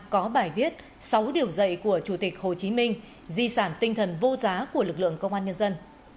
có bài viết sáu điều dạy của chủ tịch hồ chí minh di sản tinh thần vô giá của lực lượng công an nhân dân